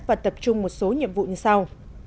và tập trung một số nhiệm vụ như sau